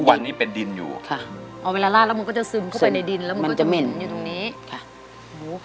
วันนี้เป็นดินอยู่ค่ะพอเวลาลาดแล้วมันก็จะซึมเข้าไปในดินแล้วมันก็จะเหม็นอยู่ตรงนี้ค่ะหู